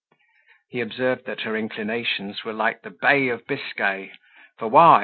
He observed that her inclinations were like the Bay of Biscay; for why?